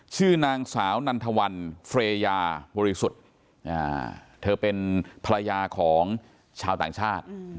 ชื่อนางสาวนันทวันเฟรยาบริสุทธิ์เธอเป็นภรรยาของชาวต่างชาติ